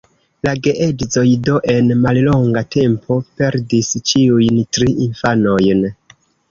La geedzoj do en mallonga tempo perdis ĉiujn tri infanojn.